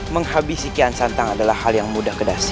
menghabisi kian santang adalah hal yang mudah kedas